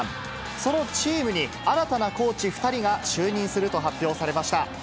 そのチームに新たなコーチ２人が就任すると発表されました。